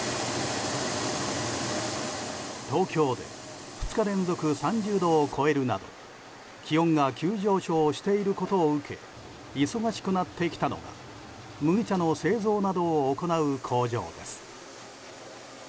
東京で２日連続３０度を超えるなど気温が急上昇していることを受け忙しくなってきたのは麦茶の製造などを行う工場です。